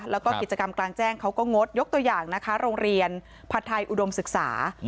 แล้วก็กิจกรรมกลางแจ้งเขาก็งดยกตัวอย่างนะคะโรงเรียนผัดไทยอุดมศึกษา